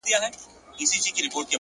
هره بریا د نظم نښه لري